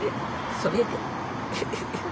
それで。